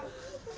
tiap pagi tak